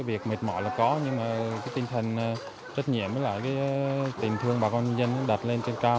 việc mệt mỏi là có nhưng tinh thần trách nhiệm và tình thương bà con dân đặt lên trên cao